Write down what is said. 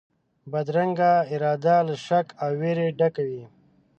بدرنګه اراده له شک او وېري ډکه وي